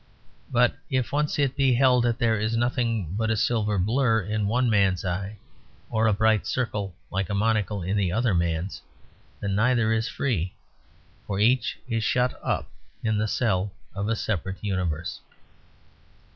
But if once it be held that there is nothing but a silver blur in one man's eye or a bright circle (like a monocle) in the other man's, then neither is free, for each is shut up in the cell of a separate universe.